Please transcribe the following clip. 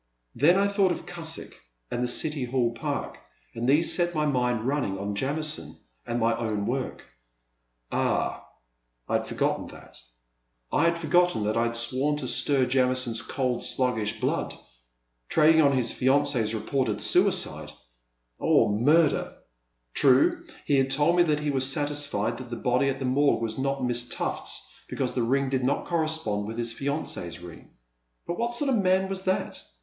Then I thought of Cusick and the City Hall Park and these set my mind running on Jamison and my own work, — ^ah ! I had forgotten that, — I had forgotten that I had sworn to stir Jamison's cold, sluggish blood ! Trading on his fiancee's reported suicide, — or murder ! True, he had told me that he was satisfied that the body at the Morgue was not Miss Tuffl*s because the ring did not correspond with his fiancee's ring. But what sort of a man was that